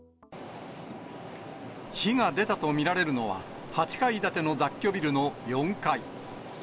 火が出たと見られるのは、８階建ての雑居ビルの４階。